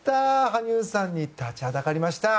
羽生さんに立ちはだかりました。